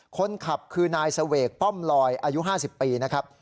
คนขับคือนายเสวกป้อมลอยอายุ๕๐ปีนะครับ